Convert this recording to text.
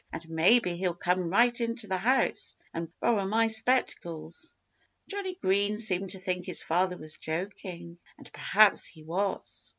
And maybe he'll come right into the house and borrow my spectacles." Johnnie Green seemed to think his father was joking. And perhaps he was.